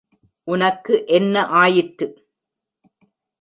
உனக்கு என்ன ஆயிற்று?